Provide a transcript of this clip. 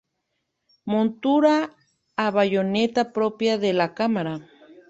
Montura a bayoneta propia de la cámara.